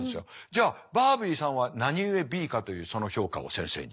じゃあバービーさんは何故Ｂかというその評価を先生に。